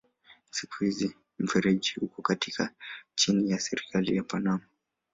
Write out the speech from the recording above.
Siku hizi mfereji uko chini ya serikali ya Panama.